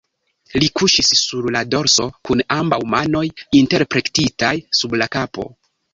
Li kuŝis sur la dorso kun ambaŭ manoj interplektitaj sub la kapo.